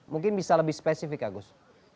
mungkin bisa lebih spesifik agus